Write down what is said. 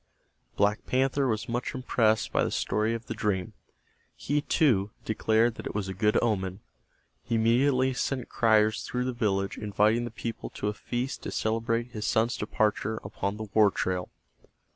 Black Panther was much impressed by the story of the dream. He, too, declared that it was a good omen. He immediately sent criers through the village inviting the people to a feast to celebrate his son's departure upon the war trail.